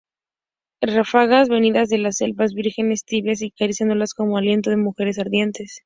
ráfagas venidas de las selvas vírgenes, tibias y acariciadoras como aliento de mujeres ardientes